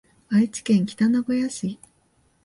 愛知県北名古屋市